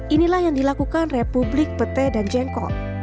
inilah yang dilakukan republik pete dan jengkol